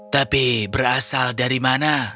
tapi berasal dari mana